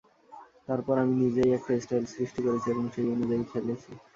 তারপর আমি নিজেই একটা স্টাইল সৃষ্টি করেছি এবং সেই অনুযায়ী খেলেছি।